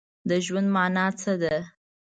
د ژوند مانا څه ده؟